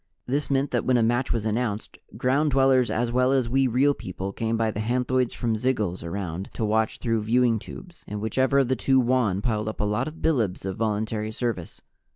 This meant that when a match was announced, Ground Dwellers as well as we Real People came by the hanthoids from zygils around to watch through viewing tubes and whichever of the two won piled up a lot of bilibs of voluntary service.